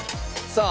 さあ。